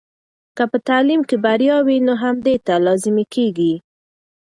که په تعلیم کې بریا وي، نو همدې ته لازمي کیږي.